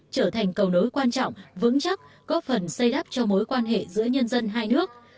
trở thành cầu nối quan trọng vững chắc góp phần xây đắp cho mối quan hệ giữa nhân dân hai nước